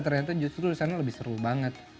ternyata justru disana lebih seru banget